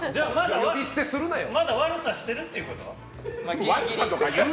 まだ悪さしてるってこと？